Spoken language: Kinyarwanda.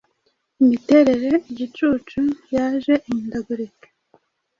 Imiterere igicucu yaje ihindagurika